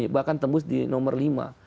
bahkan tembus di nomor lima